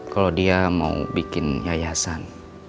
kalau dia mau bikin yayasan